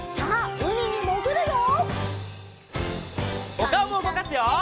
おかおもうごかすよ！